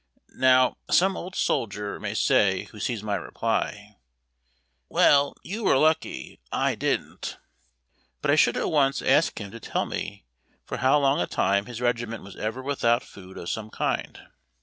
Now, some old soldier may say who sees my reply, " Well, you were lucky. I didn't." But I should at once ask him to tell me for how long a time his regiment was ever without food of some kind.